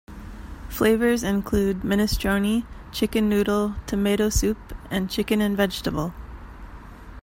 Flavours include minestrone, chicken noodle, tomato soup and chicken and vegetable.